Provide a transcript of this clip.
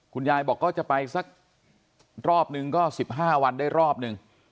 คุณยายบอกก็จะไปสักรอบนึงก็๑๕วันได้รอบนึง